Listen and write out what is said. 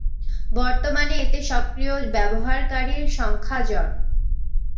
বর্তমানে এতে সক্রিয় ব্যবহারকারীর সংখ্যা জন।